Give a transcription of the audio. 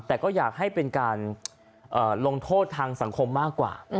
แต่ก็อยากให้เป็นการลงโทษทางสังคมมากกว่า